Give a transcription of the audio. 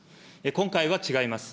今回は違います。